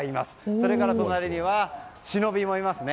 それから隣には忍びもいますね。